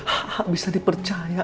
aa bisa dipercaya